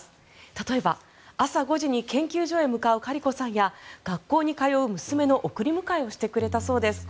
例えば朝５時に研究所へ向かうカリコさんや学校に通う娘の送り迎えをしてくれたそうです。